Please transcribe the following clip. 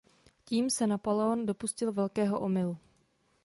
Tím se Napoleon dopustil velkého omylu.